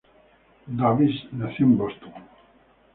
Davis nació en Boston.